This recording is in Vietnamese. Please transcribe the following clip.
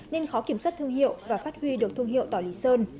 nên khó kiểm soát thương hiệu và phát huy được thương hiệu tỏ lý sơn